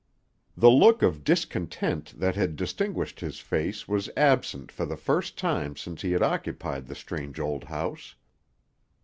The look of discontent that had distinguished his face was absent for the first time since he had occupied the strange old house.